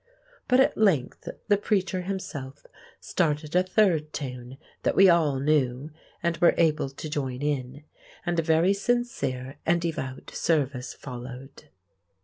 But at length the preacher himself started a third tune that we all knew and were able to join in; and a very sincere and devout service followed.